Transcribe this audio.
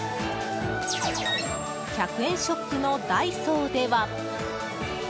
１００円ショップのダイソーでは。